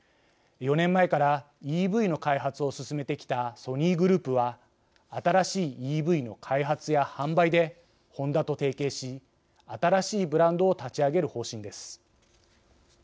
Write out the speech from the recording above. ４年前からＥＶの開発を進めてきたソニーグループは新しいＥＶの開発や販売でホンダと提携し新しいブランドを立ち上げる方針です。